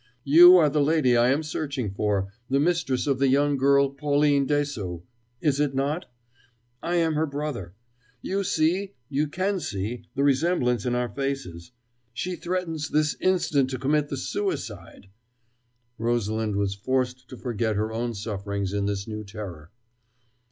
"You are the lady I am searching for, the mistress of the young girl Pauline Dessaulx, is it not? I am her brother. You see you can see the resemblance in our faces. She threatens this instant to commit the suicide " Rosalind was forced to forget her own sufferings in this new terror.